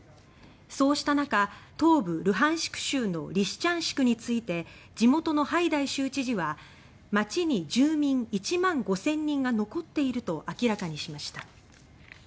そうした中、東部ルハンシク州のリシチャンシクについて地元のハイダイ州知事は街に住民１万５０００人が残っていると明らかにしました。